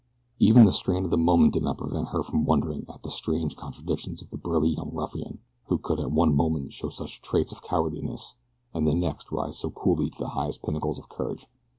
Even the strain of the moment did not prevent her from wondering at the strange contradictions of the burly young ruffian who could at one moment show such traits of cowardliness and the next rise so coolly to the highest pinnacles of courage.